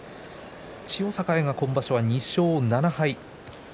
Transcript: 千代栄は今場所は２勝７敗。